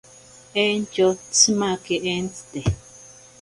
Entyo tsimake entsite.